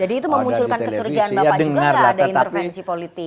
jadi itu memunculkan kecurigaan bapak juga gak ada intervensi politik